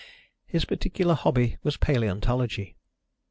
His particular hobby was paleontology.